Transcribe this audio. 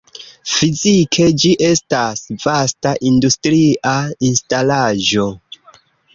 Fizike ĝi estas vasta industria instalaĵo.